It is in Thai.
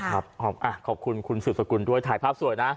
ขอบคุณคุณสุดสกุลด้วยถ่ายภาพสวยนะ